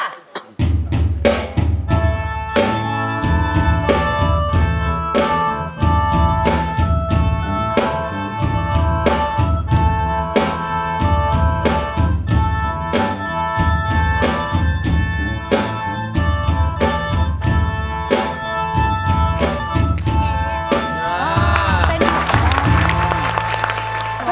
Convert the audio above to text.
อ๋อเป็นเหรอ